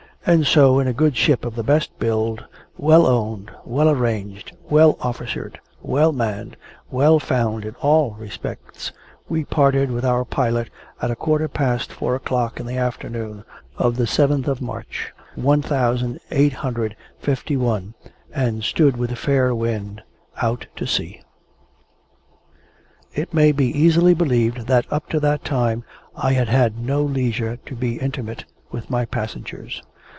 And so, in a good ship of the best build, well owned, well arranged, well officered, well manned, well found in all respects, we parted with our pilot at a quarter past four o'clock in the afternoon of the seventh of March, one thousand eight hundred and fifty one, and stood with a fair wind out to sea. It may be easily believed that up to that time I had had no leisure to be intimate with my passengers.